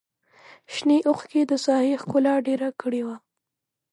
شنې وښکې د ساحې ښکلا ډېره کړې وه.